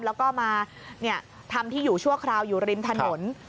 แล้วก็มาทำที่อยู่ชั่วคราวอยู่ริมถนน